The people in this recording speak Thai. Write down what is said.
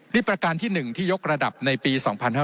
นี่ประการที่๑ที่ยกระดับในปี๒๕๕๙